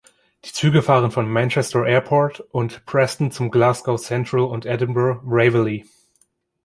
Die Züge fahren von Manchester Airport und Preston zum Glasgow Central und Edinburgh Waverley.